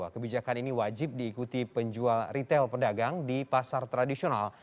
kebijakan ini wajib diikuti penjual retail pedagang di pasar tradisional